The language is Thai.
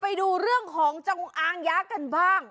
ไปดูเรื่องของจงอางยะกันบ้าง